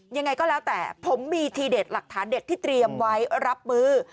ยังไงก็แล้วแต่ผมมีทีเด็ดหลักฐานเด็ดที่เตรียมไว้รับมือ